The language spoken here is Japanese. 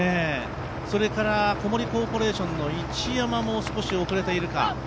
それから小森コーポレーションの市山も少し後れているか。